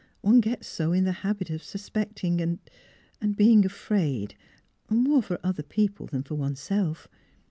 One gets so in the habit of suspecting and — and being afraid — more for other people than for oneself."